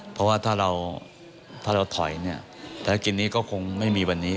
เพราะว่าถ้าเราถอยฐาะกิจนี้ก็คงไม่มีวันนี้